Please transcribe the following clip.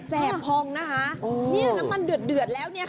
แบพองนะคะนี่น้ำมันเดือดแล้ว